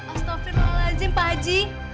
astaghfirullahaladzim pak haji